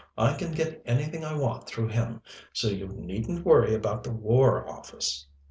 I can get anything I want through him, so you needn't worry about the War Office.